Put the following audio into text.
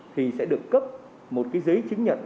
thì sẽ được cấp một cái giấy chứng nhận